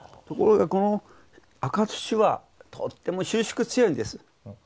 ところがこの赤土はとっても収縮強いんです。